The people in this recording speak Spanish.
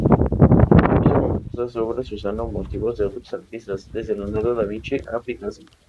Hizo numerosas obras usando motivos de otros artistas, desde Leonardo da Vinci a Picasso.